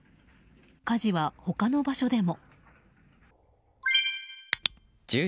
火事は他の場所でも。